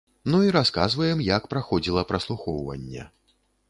Ну і расказваем, як праходзіла праслухоўванне.